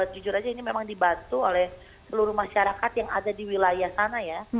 jujur aja ini memang dibantu oleh seluruh masyarakat yang ada di wilayah sana ya